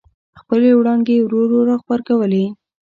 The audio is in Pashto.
خپلې وړانګې یې ورو ورو را غبرګولې.